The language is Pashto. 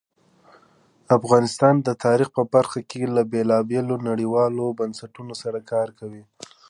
افغانستان د تاریخ په برخه کې له بېلابېلو نړیوالو بنسټونو سره کار کوي.